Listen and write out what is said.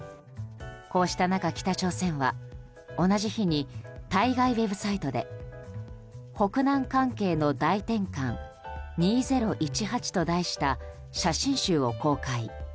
こうした中、北朝鮮は同じ日に対外ウェブサイトで「北南関係の大転換２０１８」と題した写真集を公開。